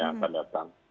yang akan datang